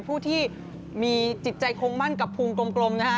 ผู้ที่มีจิตใจคงมั่นกับภูมิกลมนะฮะ